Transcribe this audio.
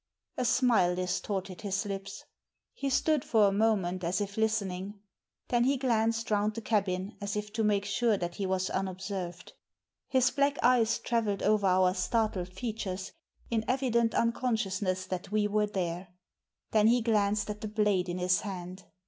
A smile distorted his lips. He stood for a moment as if listening. Then he glanced round the cabin, as if to make sure that he was unobserved. Digitized by VjOOQIC THE HOUSEBOAT 289 His black eyes travelled over our startled features, in evident unconsciousness that we were there. Then he glanced at the blade in his hand.